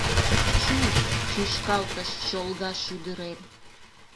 Чу, чӱчкалтыш Чолга шӱдырем!